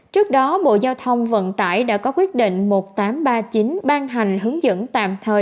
trước đó bộ giao thông vận tải đã có quyết định một nghìn tám trăm ba mươi chín ban hành hướng dẫn tạm thời